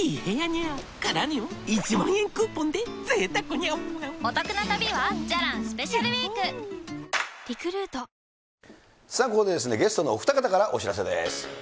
ニトリさあ、ここでゲストのお二方からお知らせです。